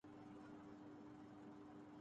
امجد کی کتاب چوری ہو گئی۔